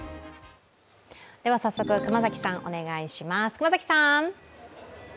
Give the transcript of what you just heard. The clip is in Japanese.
では早速、熊崎さん、お願いします。